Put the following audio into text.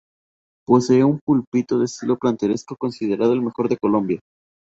Posee un púlpito de estilo plateresco, considerado el mejor de Colombia.